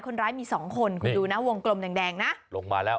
คนร้ายมี๒คนคุณดูนะวงกลมแดงนะ